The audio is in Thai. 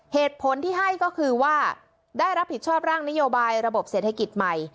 เหตุผลที่ให้ก็คือว่าได้รับผิดชอบร่างนโยบายระบบเศรษฐกิจใหม่